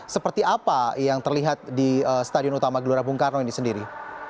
seperti apa yang terlihat di stadion utama gelora bung karno ini sendiri